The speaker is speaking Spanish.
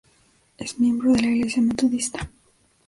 Es miembro de la iglesia metodista.